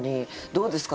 どうですか？